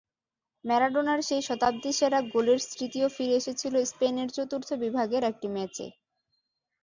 ম্যারাডোনার সেই শতাব্দী-সেরা গোলের স্মৃতিও ফিরে এসেছিল স্পেনের চতুর্থ বিভাগের একটি ম্যাচে।